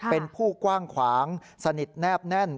เป็นผู้กว้างขวางสนิทแนบแน่น